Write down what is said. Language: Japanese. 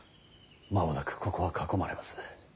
間もなくここは囲まれます。